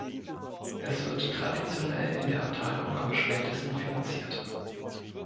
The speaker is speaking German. Es wird traditionell in der Abteilung am schlechtesten finanziert.